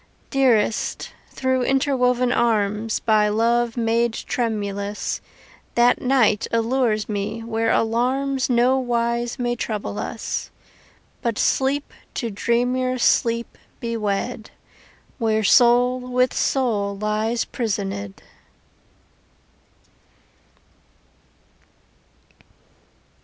Dearest, through interwoven arms By love made tremulous, That night allures me where alarms Nowise may trouble us; But lseep to dreamier sleep be wed Where soul with soul lies prisoned.